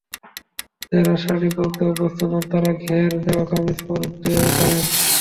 যাঁরা শাড়ি পরতে অভ্যস্ত নন, তাঁরা ঘের দেওয়া কামিজ পরতে পারেন।